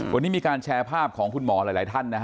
วันนี้มีการแชร์ภาพของคุณหมอหลายท่านนะฮะ